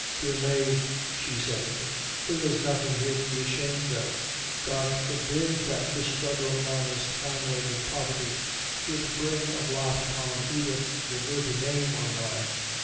"Dear Mave," she said, "there is nothing here to be ashamed of. God forbid that the struggle of an honest family with poverty should bring a blot upon either your good name or mine.